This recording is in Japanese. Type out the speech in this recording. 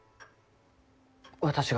私が？